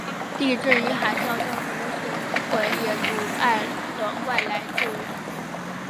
地震与海啸造成的损毁也阻碍了外来的救援。